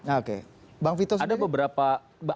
oke bang wito sendiri